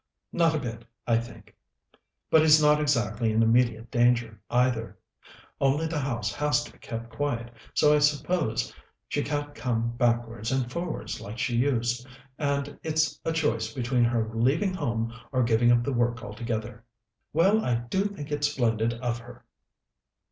"Not a bit, I think. But he's not exactly in immediate danger, either. Only the house has to be kept quiet, so I suppose she can't come backwards and forwards like she used, and it's a choice between her leaving home or giving up the work altogether." "Well, I do think it's splendid of her!"